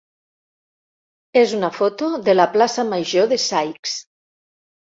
és una foto de la plaça major de Saix.